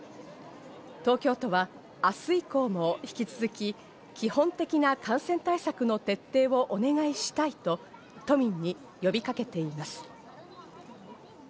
東京都は明日以降も引き続き基本的な感染対策の徹底をお願いしたいと都民に呼びかけています。